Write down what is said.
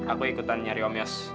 aku ikutan nyari om yos